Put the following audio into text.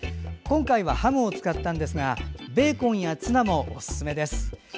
今回はハムを使いましたがベーコンやツナもおすすめです。